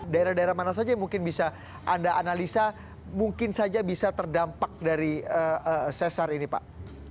daerah daerah mana saja yang mungkin bisa anda analisa mungkin saja bisa terdampak dari sesar ini pak